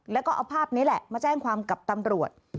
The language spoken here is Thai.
แล้วก็เอาภาพนี้แหละมาแจ้งความกับตำรวจ